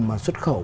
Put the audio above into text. mà xuất khẩu